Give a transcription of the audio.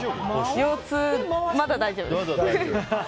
腰痛、まだ大丈夫です。